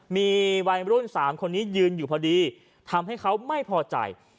มีวัยรุ่น๓คนนี้ยืนอยู่พอดีทำให้เขาไม่พอใจ